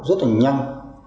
rất là nhanh